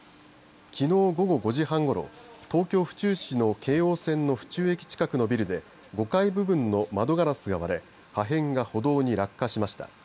きのう午後５時半ごろ東京、府中市の京王線の府中駅近くのビルで５階部分の窓ガラスが割れ破片が歩道に落下しました。